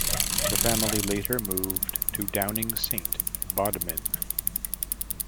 The family later moved to Downing Saint, Bodmin.